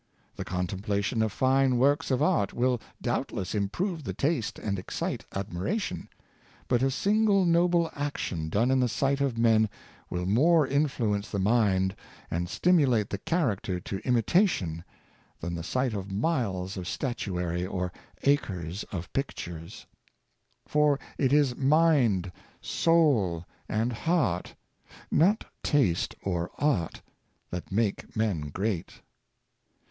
The contemplation of fine works of art will doubtless im prove the taste and excite admiration; but a single noble action done in the sight of men will more influ ence the mind, and stimulate the character to imitation, than the sight of miles of statuary or acres of pictures. For it is mind, soul, and heart — not taste or art — that make men great.